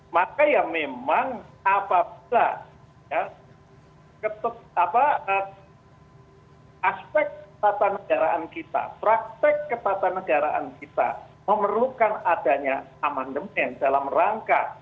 maka ya memang apabila aspek ketatanegaraan kita praktek ketatanegaraan kita memerlukan adanya amandemen dalam rangka